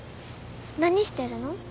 何してるの？